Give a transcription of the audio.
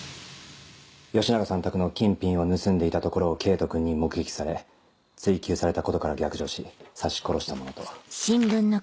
吉長さん宅の金品を盗んでいたところを圭人君に目撃され追及されたことから逆上し刺し殺したものと。